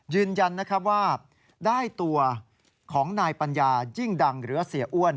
ยืนยันนะครับว่าได้ตัวของนายปัญญายิ่งดังหรือเสียอ้วน